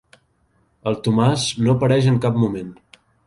El Tomàs no apareix en cap moment.